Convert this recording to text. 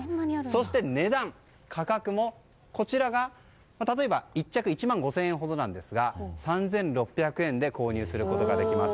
そして値段、価格もこちらが、例えば１着１万５０００円ほどなんですが３６００円で購入することができます。